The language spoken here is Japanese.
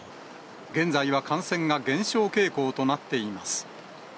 現在は感染が減少傾向となっています。